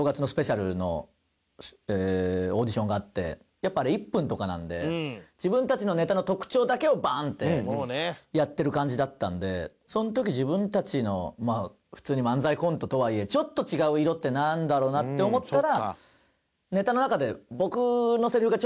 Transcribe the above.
やっぱあれ１分とかなので自分たちのネタの特徴だけをバーンってやってる感じだったんでその時自分たちの普通に漫才コントとはいえちょっと違う色ってなんだろうな？って思ったら。